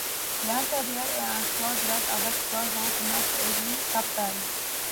L'intérieur est en croix grecque avec trois amples nefs et huit chapelles.